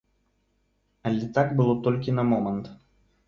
Але так было толькі на момант.